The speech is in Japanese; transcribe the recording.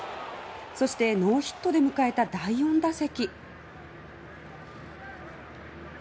そしてノーヒットで迎えた第４打席。